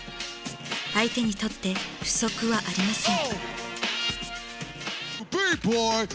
相手にとって不足はありません。